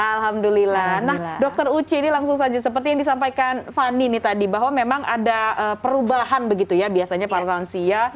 alhamdulillah nah dokter uci ini langsung saja seperti yang disampaikan fani ini tadi bahwa memang ada perubahan begitu ya biasanya para lansia